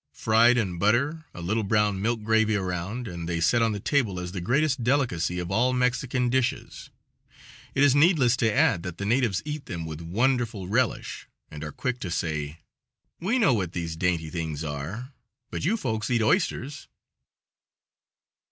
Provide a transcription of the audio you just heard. Fried in butter, a little brown milk gravy around, and they are set on the table as the greatest delicacy of all Mexican dishes. It is needless to add that the natives eat them with wonderful relish, and are quick to say "We know what these dainty things are, but you folks eat oysters!"